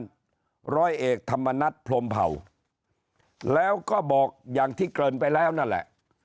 ร้อยเอกธรรมนัฐพรมเผ่าแล้วก็บอกอย่างที่เกินไปแล้วนั่นแหละ